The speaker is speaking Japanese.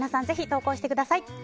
ぜひ投稿してください。